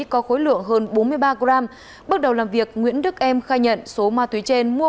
có khối lượng hơn bốn mươi ba gram bước đầu làm việc nguyễn đức em khai nhận số ma túy trên mua